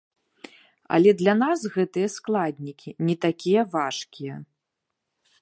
Але для нас гэтыя складнікі не такія важкія.